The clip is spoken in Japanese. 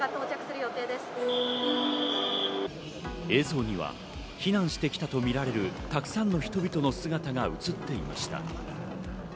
映像には避難してきたとみられるたくさんの人々の姿が映っていました。